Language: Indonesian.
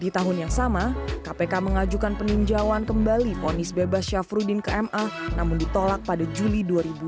di tahun yang sama kpk mengajukan peninjauan kembali ponis bebas syafruddin ke ma namun ditolak pada juli dua ribu sembilan belas